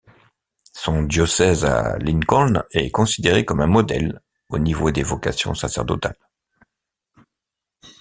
Son diocèse à Lincoln est considéré comme un modèle au niveau des vocations sacerdotales.